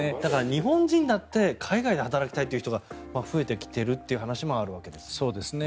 日本人だって海外で働きたいという人が増えてきているという話もあるわけですね。